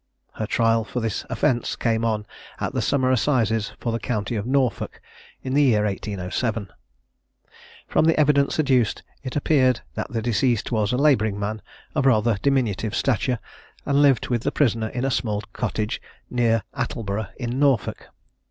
Her trial for this offence came on at the Summer Assizes for the county of Norfolk, in the year 1807. From the evidence adduced, it appeared that the deceased was a labouring man of rather diminutive stature, and lived with the prisoner in a small cottage near Attleburgh, in Norfolk.